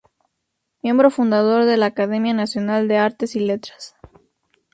Miembro fundador de la Academia Nacional de Artes y Letras.